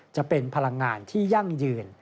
จะเป็นพลังงานที่ยั่งยืน